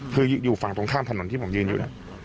คืออยู่ฝั่งตรงข้ามถนนที่ผมยืนอยู่เนี่ย